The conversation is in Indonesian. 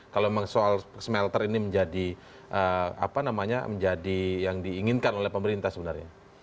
kalau memang soal smelter ini menjadi yang diinginkan oleh pemerintah sebenarnya